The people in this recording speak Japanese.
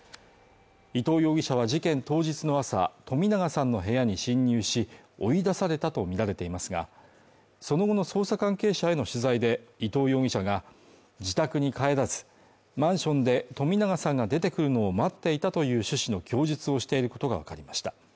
伊藤容疑者は事件当日の朝、冨永さんの部屋に侵入し、追い出されたとみられていますが、その後の捜査関係者への取材で、伊藤容疑者が自宅に帰らずマンションで、冨永さんが出てくるのを待っていたという趣旨の供述をしていることがわかりました。